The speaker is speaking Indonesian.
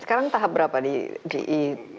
sekarang tahap berapa di ge dua ini